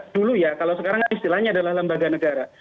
dulu ya kalau sekarang istilahnya adalah lembaga negara